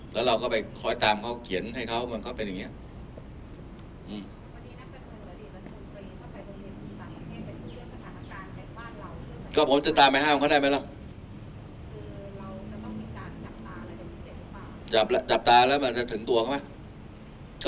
แล้วเราก็ไปคอยตามเขาเขียนให้เขามันก็เป็นอย่างนี้